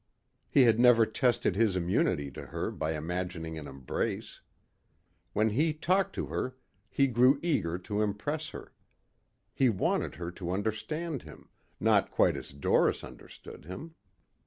He had never tested his immunity to her by imagining an embrace. When he talked to her he grew eager to impress her. He wanted her to understand him, not quite as Doris understood him.